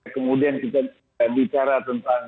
kemudian kita bicara tentang